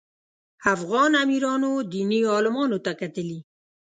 افغان امیرانو دیني عالمانو ته کتلي.